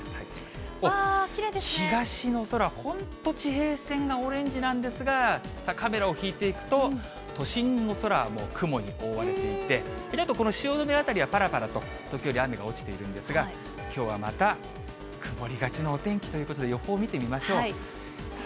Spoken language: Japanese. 東の空、本当、地平線がオレンジなんですが、カメラを引いていくと、都心の空はもう雲に覆われていて、あと、この汐留辺りは、ぱらぱらと時折雨が落ちているんですが、きょうはまた、曇りがちのお天気ということで、予報を見てみましょう。